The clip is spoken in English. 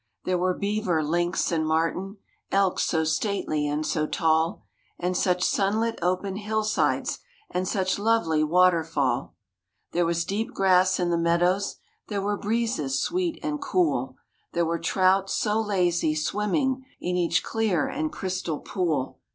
There were beaver, lynx and marten, Elk so stately, and so tall, And such sunlit open hillsides, And such lovely water fall. There was deep grass in the meadows, There were breezes, sweet and cool, There were trout, so lazy, swimming In each clear and crystal pool.